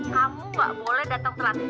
kamu nggak boleh datang terlalu